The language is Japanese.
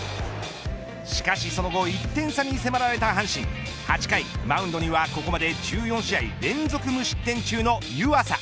しかしその後１点差に迫られた阪神８回マウンドにはここまで１４試合連続無失点中の湯浅。